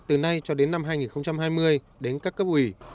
từ nay cho đến năm hai nghìn hai mươi đến các cấp ủy